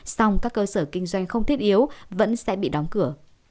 song các cơ sở kinh doanh không thiết yếu vẫn sẽ bị đóng cửa